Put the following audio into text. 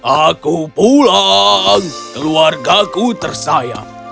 aku pulang keluarga ku tersayang